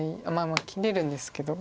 まあ切れるんですけど。